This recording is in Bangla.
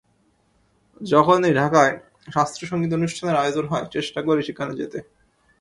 যখনই ঢাকায় শাস্ত্রীয় সংগীত অনুষ্ঠানের আয়োজন হয়, চেষ্টা করি সেখানে যেতে।